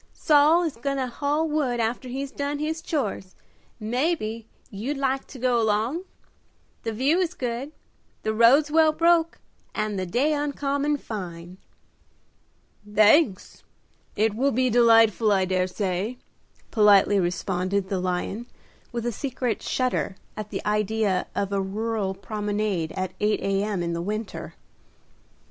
"Saul is goin' to haul wood after he's done his chores, mebbe you'd like to go along? The view is good, the roads well broke, and the day uncommon fine." "Thanks; it will be delightful, I dare say," politely responded the lion, with a secret shudder at the idea of a rural promenade at 8 A.M. in the winter.